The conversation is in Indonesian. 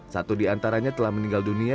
satu di antaranya telah meninggal dunia